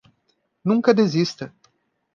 Nunca desista.